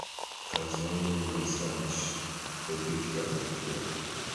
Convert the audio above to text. kazi yangu ni massage pedicure macure